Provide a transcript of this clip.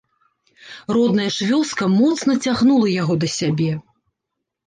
Родная ж вёска моцна цягнула яго да сябе.